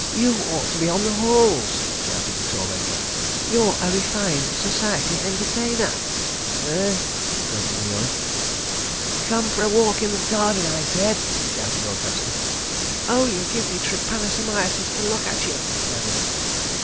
You ought to be on the halls," shouted the tormentor. "You're a refined Society Entertainer. ..." "Eh?" grunted Murie. "Come for a walk in the garden I said," shouted Augustus. "Oh, you give me trypanosomiasis to look at you," he added.